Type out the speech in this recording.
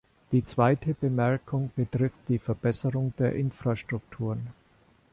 Die zweite Bemerkung betrifft die Verbesserung der Infrastrukturen.